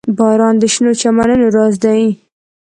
• باران د شنو چمنونو راز دی.